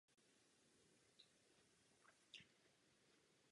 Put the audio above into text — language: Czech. Samice bývají asi o čtvrtinu větší než samci.